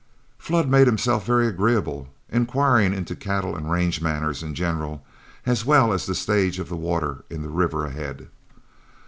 Flood made himself very agreeable, inquiring into cattle and range matters in general as well as the stage of water in the river ahead.